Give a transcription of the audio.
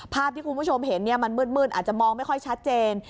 ภาพที่คุณผู้ชมเห็นมันมืดอาจจะมองไม่ค่อยชัดเจน